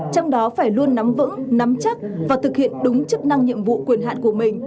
trong đó phải luôn nắm vững nắm chắc và thực hiện đúng chức năng nhiệm vụ quyền hạn của mình